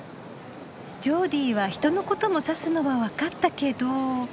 ジョーディーは人のことも指すのは分かったけど。